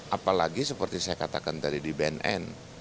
apalagi seperti saya katakan tadi di bnn